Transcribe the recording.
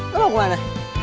lo mau kemana